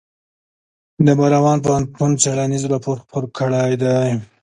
د براون پوهنتون څیړنیز راپور خپور کړی دی.